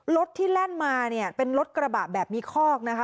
รถที่แล่นมาเนี่ยเป็นรถกระบะแบบมีคอกนะคะ